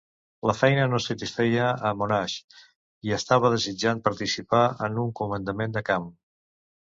La feina no satisfeia en Monash i estava desitjant participar a un comandament de camp.